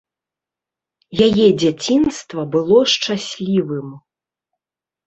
Яе дзяцінства было шчаслівым.